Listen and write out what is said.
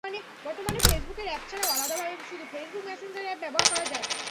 বর্তমানে ফেসবুকের অ্যাপ ছাড়াও আলাদাভাবে শুধু ফেসবুক মেসেঞ্জার অ্যাপ ব্যবহার করা যায়।